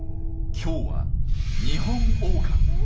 今日はニホンオオカミ。